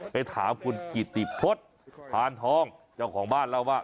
ไปถามคุณกิติพฤษพานทองเจ้าของบ้านเล่าว่า